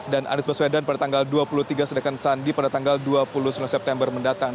dan andis baswena pada tanggal dua puluh tiga sedangkan sandi pada tanggal dua puluh sembilan september mendatang